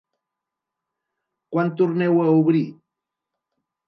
Quan torneu a obrir?